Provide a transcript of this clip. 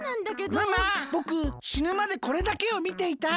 ママぼくしぬまでこれだけをみていたい。